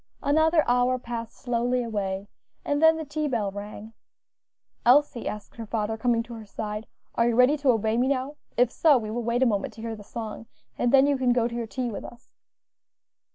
Another hour passed slowly away, and then the tea bell rang. "Elsie," asked her father, coming to her side, "are you ready to obey me now? if so, we will wait a moment to hear the song, and then you can go to your tea with us."